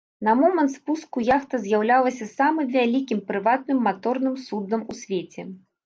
На момант спуску яхта з'яўлялася самым вялікім прыватным маторным суднам ў свеце.